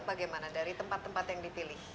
bagaimana dari tempat tempat yang dipilih